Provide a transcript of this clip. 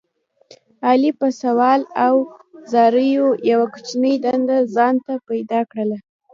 علي په سوال او زاریو یوه کوچنۍ دنده ځان ته پیدا کړله.